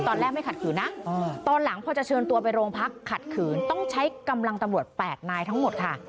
ตอนแรกไม่ขัดขืนนะตอนหลังพอจะเชิญตัวไปโรงพักขัดขืนต้องใช้กำลังตำรวจ๘นายทั้งหมดค่ะ